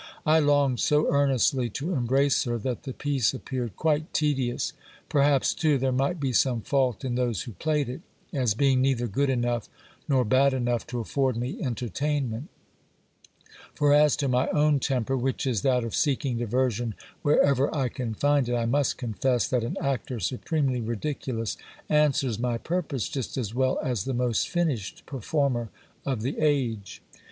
I longed so earnestly to embrace her, that the piece appeared quite tedious. Per haps, too, there might be some fault in those who played it, as being neither good enough nor bad enough to afford me entertainment For as to my own temper, which is that of seeking diversion wherever I can find it, I must confess that an actor supremely ridiculous answers my purpose just as well as the most finished performer of the age.